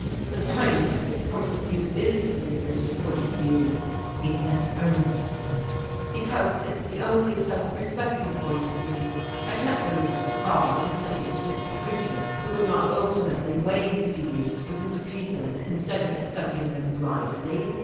"The scientific point of view is the religious point of view," he said earnestly, "because it's the only self respecting point of view. I can't believe that God intended to make a creature who would not ultimately weigh his beliefs with his reason instead of accepting them blindly.